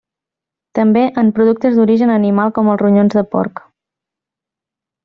També en productes d’origen animal com els ronyons de porc.